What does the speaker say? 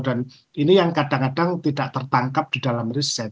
dan ini yang kadang kadang tidak tertangkap di dalam riset